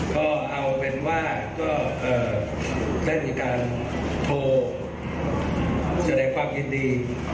ก็เอาเป็นว่าก็ได้มีการโทรแสดงความยินดี